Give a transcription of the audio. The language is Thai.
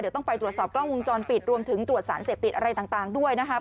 เดี๋ยวต้องไปตรวจสอบกล้องวงจรปิดรวมถึงตรวจสารเสพติดอะไรต่างด้วยนะครับ